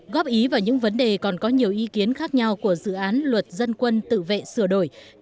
góp ý vào những vấn đề còn có nhiều ý kiến khác nhau của dự án luật dân quân tự vệ sửa đổi